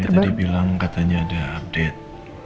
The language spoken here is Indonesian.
hari ini tadi bilang katanya ada update